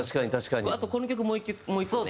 あとこの曲もう１個ね。